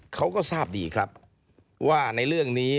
เขาก็ทราบดีครับว่าในเรื่องนี้